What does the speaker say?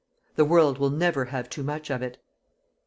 The world will never have too much of it.